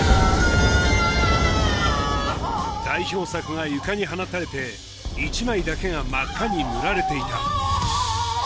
代表作が床に放たれて１枚だけが真っ赤に塗られていた